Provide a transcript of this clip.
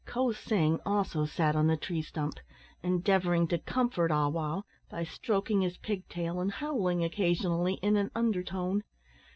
Ko sing also sat on the tree stump, endeavouring to comfort Ah wow by stroking his pig tail and howling occasionally in an undertone.